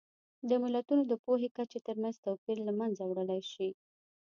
د ملتونو د پوهې کچې ترمنځ توپیر له منځه وړلی شي.